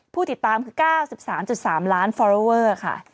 ผู้ติดตามคือ๙๓๓ล้านฟอลเวอร์ค่ะ